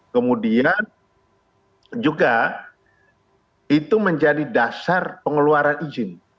kemudian juga itu menjadi dasar pengeluaran izin